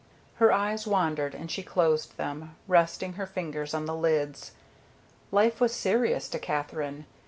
Her eyes wandered and she closed them, resting her fingers on the lids. Life was serious to Katherine.